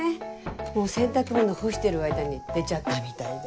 洗濯物干してる間に出ちゃったみたいで。